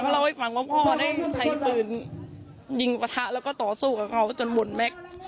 เล่าให้ฟังว่าพ่อได้ใช้ปืนยิงปะทะแล้วก็ต่อสู้กับเขาจนหมดแม็กซ์